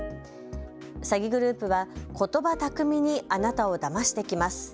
詐欺グループはことば巧みにあなたをだましてきます。